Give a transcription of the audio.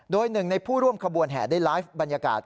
โดยหนึ่งในผู้ร่วมขบวนแห่ได้ไลฟ์บรรยากาศ